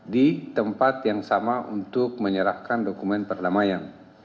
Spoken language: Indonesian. di tempat yang sama untuk menyerahkan dokumen perdamaian